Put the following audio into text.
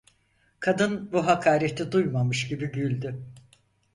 Kadın bu hakareti duymamış gibi güldü.